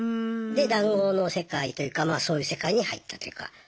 で談合の世界というかまあそういう世界に入ったというか。